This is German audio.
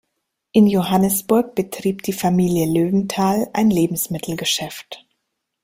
In Johannesburg betrieb die Familie Loewenthal ein Lebensmittelgeschäft.